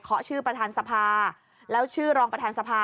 ชื่อประธานสภาแล้วชื่อรองประธานสภา